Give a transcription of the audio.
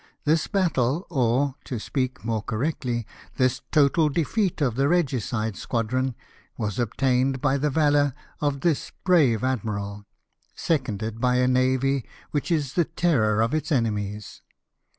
This battle — or, to speak more correctly, this total defeat of the regicide squadron — was obtained by the valour of this brave admiral, seconded by a navy which is the terror of its enemies.